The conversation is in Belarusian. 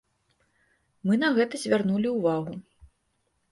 Мы на гэта звярнулі ўвагу.